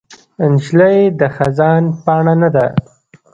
نجلۍ د خزان پاڼه نه ده.